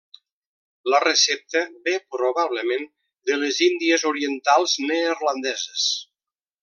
La recepta ve probablement de les Índies Orientals Neerlandeses.